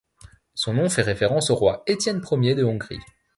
Son nom fait référence au roi Étienne Ier de Hongrie.